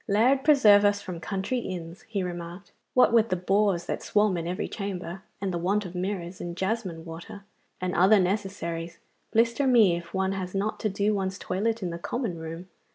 'Lard preserve us from country inns!' he remarked. 'What with the boors that swarm in every chamber, and the want of mirrors, and jasmine water, and other necessaries, blister me if one has not to do one's toilet in the common room.